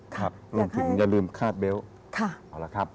ครับร่วมถึงอย่าลืมคาดเบลล์